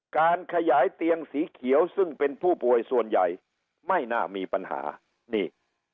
การขยายเตียงสีเขียวซึ่งเป็นผู้ป่วยส่วนใหญ่ไม่น่ามีปัญหานี่